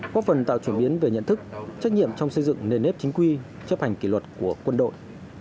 góp phần tạo chuyển biến về nhận thức trách nhiệm trong xây dựng nền nếp chính quy chấp hành kỷ luật của quân đội